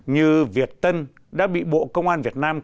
như việt tân đã bị bộ công an việt nam